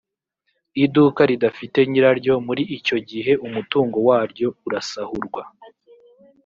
iduka ridafite nyiraryo muri icyo gihe umutungo waryo urasahurwa